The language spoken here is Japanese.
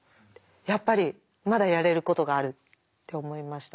やっぱりまだやれることがあるって思いましたね。